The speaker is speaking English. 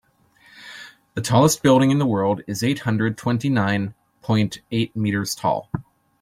The tallest building in the world is eight hundred twenty nine point eight meters tall.